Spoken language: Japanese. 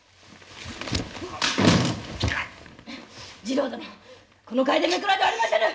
次郎殿この楓めくらではありませぬ！